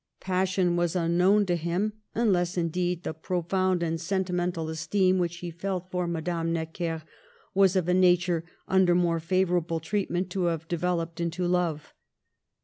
Passion was unknown to him, unless, indeed, the profound and sentimental esteem which he felt for Madame Necker was of a nature under more favorable treatment to have developed into love.